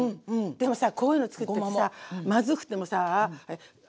でもさこういうのつくったらさまずくてもさぁあれかな？